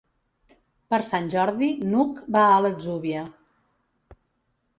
Per Sant Jordi n'Hug va a l'Atzúbia.